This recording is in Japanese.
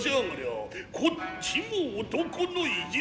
こっちも男の意地